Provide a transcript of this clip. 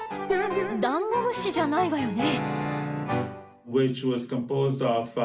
ダンゴ虫じゃないわよね？